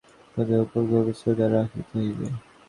অতএব তোমাদিগকে নিজ সম্প্রদায়ের উপর গভীর শ্রদ্ধা রাখিতে হইবে।